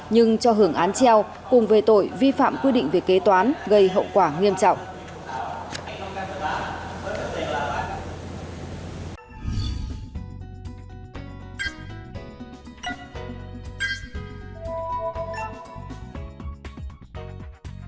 nhưng cho hưởng án treo cùng về tội vi phạm quy định về kế toán gây hậu quả nghiêm trọng